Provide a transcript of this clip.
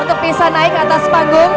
untuk bisa naik ke atas panggung